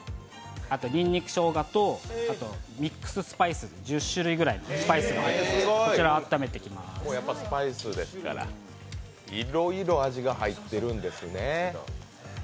あとにんにく、しょうがとミックススパイス１０種類ぐらいスパイスが入っていてスパイスですから、いろいろ味が入ってるんですね。